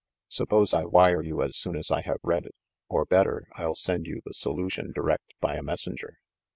Suppose I wire you as soon as I have read it. Or, better, I'll send you the solution direct by a messenger."